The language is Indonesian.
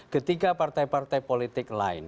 ketika partai partai politik lain